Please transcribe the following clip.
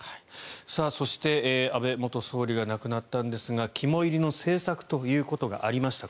そして、安倍元総理が亡くなったんですが肝煎りの政策ということがありました。